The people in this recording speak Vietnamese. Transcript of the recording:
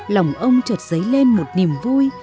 lòng ông trợt giấy lên một niềm vui